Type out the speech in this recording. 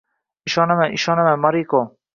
— Ishonaman, ishonaman, Moriko…